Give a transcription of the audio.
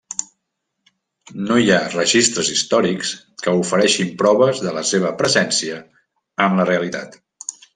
No hi ha registres històrics que ofereixin proves de la seva presència en la realitat.